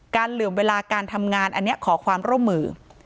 เหลื่อมเวลาการทำงานอันนี้ขอความร่วมมือ